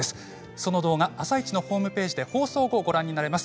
その動画は「あさイチ」ホームページで放送後、ご覧になれます。